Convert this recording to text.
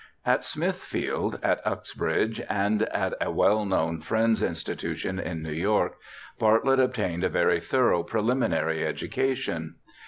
At Smithfield, at Uxbridge, and at a well known no BIOGRAPHICAL ESSAYS Friends' institution in New York, Bartlett obtained a very thorough preliminary education.